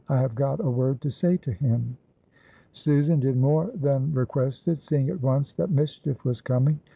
I have got a word to say to him." Susan did more than requested, seeing at once that mischief was coming.